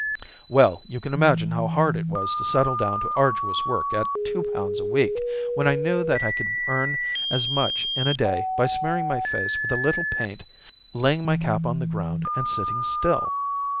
"Well, you can imagine how hard it was to settle down to arduous work at £ 2 a week when I knew that I could earn as much in a day by smearing my face with a little paint, laying my cap on the ground, and sitting still.